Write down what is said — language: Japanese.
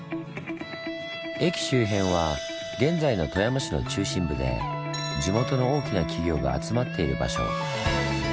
駅周辺は現在の富山市の中心部で地元の大きな企業が集まっている場所。